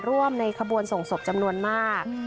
ร่วมในขบวนส่งศพจำนวนมาก